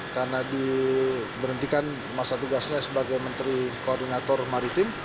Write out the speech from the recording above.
karena diberhentikan masa tugasnya sebagai menteri koordinator maritim